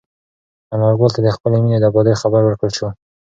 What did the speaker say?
انارګل ته د خپلې مېنې د ابادۍ خبر ورکړل شو.